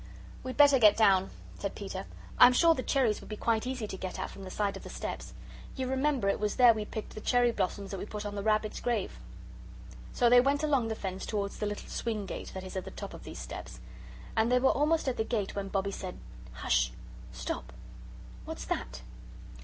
"We'd better get down," said Peter; "I'm sure the cherries would be quite easy to get at from the side of the steps. You remember it was there we picked the cherry blossoms that we put on the rabbit's grave." So they went along the fence towards the little swing gate that is at the top of these steps. And they were almost at the gate when Bobbie said: "Hush. Stop! What's that?"